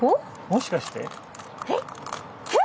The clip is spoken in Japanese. もしかして？